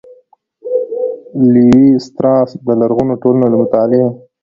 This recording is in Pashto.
''لېوي ستراس د لرغونو ټولنو له مطالعې